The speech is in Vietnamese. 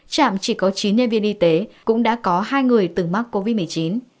trạm chỉ có chín nhân viên y tế cũng đã có hai người từng mắc covid một mươi chín